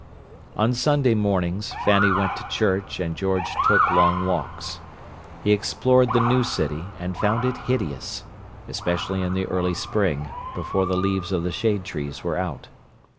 On Sunday mornings Fanny went to church and George took long walks. He explored the new city, and found it hideous, especially in the early spring, before the leaves of the shade trees were out.